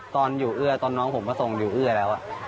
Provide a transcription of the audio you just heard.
ตอนอยู่เอื้อตอนน้องผมมาส่งอยู่เอื้อแล้ว